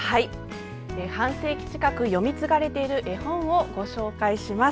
半世紀近く読み継がれている絵本をご紹介します。